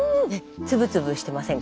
粒々してませんか？